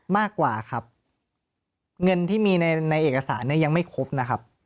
มากกว่าครับเงินที่มีในเอกสารเนี่ยยังไม่ครบนะครับ